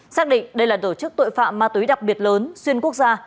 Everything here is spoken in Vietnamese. xác định đây là tổ chức tội phạm ma túy đặc biệt lớn xuyên quốc gia